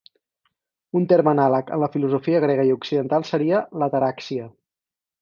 Un terme anàleg en la filosofia grega i occidental seria l'ataràxia.